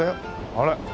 あれ？